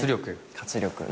活力。